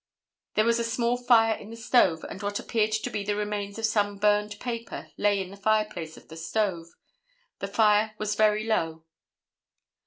There was a small fire in the stove and what appeared to be the remains of some burned paper lay in the fireplace of the stove. The fire was very low."